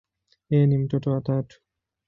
Yeye ni mtoto wa tatu.